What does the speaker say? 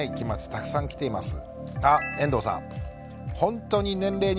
たくさん来ています。